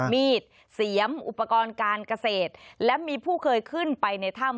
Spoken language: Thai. มีดเสียมอุปกรณ์การเกษตรและมีผู้เคยขึ้นไปในถ้ำ